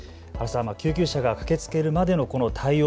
救急車が駆けつけるまでの対応